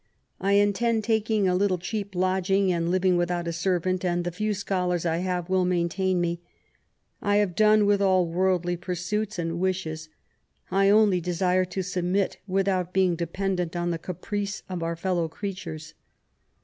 I intend taking a little cheap lodging, and living without a servant ; and the few scholars I have will maintain me. I have done with aU worldly pursuits and wishes ; I only desire to submit without being dependent on the caprice of our fellow creatures.